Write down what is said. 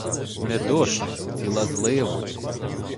Не дощ — ціла злива.